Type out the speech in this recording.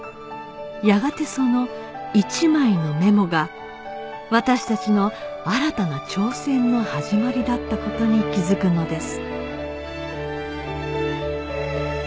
やがてその１枚のメモが私たちの新たな挑戦の始まりだった事に気づくのです